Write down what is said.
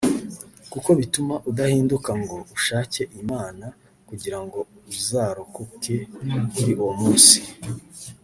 kuko bituma udahinduka ngo ushake imana kugirango uzarokoke kuli uwo munsi